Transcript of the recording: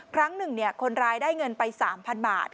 ครั้งหนึ่งคนร้ายได้เงินไป๓๐๐๐บาท